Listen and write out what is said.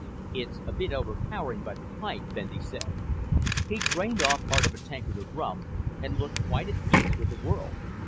"It's a bit overpowering by the pint," Bendy said. He'd drained off part of a tankard of rum and looked quite at peace with the world.